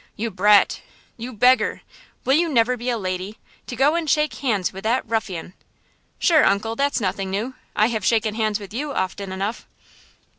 You brat! You beggar! Will you never be a lady? To go and shake hands with that ruffian!" "Sure, uncle, that's nothing new; I have shaken hands with you often enough!"